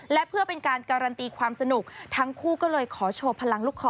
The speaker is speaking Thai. และเพื่อเป็นการการันตีความสนุกทั้งคู่ก็เลยขอโชว์พลังลูกคอ